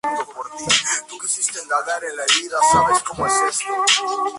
Fue enterrado en Vert-le-Petit.